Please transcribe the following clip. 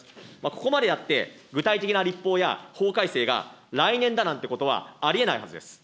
ここまでやって、具体的な立法や法改正が来年だなんてことはありえないはずです。